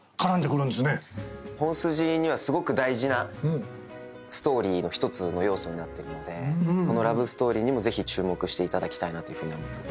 本筋にはすごく大事なストーリーの１つの要素になってるのでこのラブストーリーにもぜひ注目していただきたいなというふうに思ってますけど。